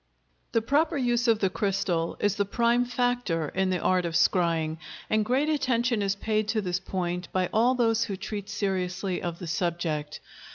The proper use of the crystal is the prime factor in the art of scrying and great attention is paid to this point by all those who treat seriously of the subject.